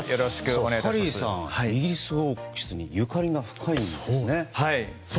ハリーさん、イギリス王室にゆかりが深いんですね。